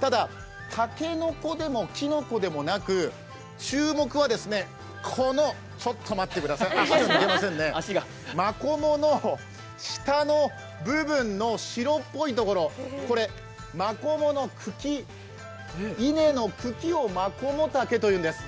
ただ、竹の子でもきのこでもなく、注目はこの、ちょっと待ってください、まこもの下の部分の白っぽいところ、まこもの茎、稲の茎をマコモタケというんです。